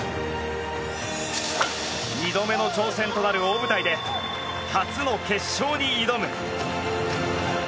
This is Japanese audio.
２度目の挑戦となる大舞台で初の決勝に挑む！